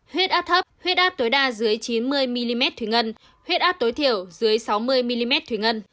huyết áp thấp huyết áp tối đa dưới chín mươi mm thủy ngân huyết áp tối thiểu dưới sáu mươi mm thủy ngân